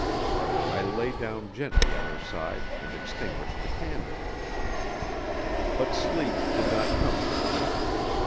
I lay down gently at her side and extinguished the candle. But sleep did not come to me.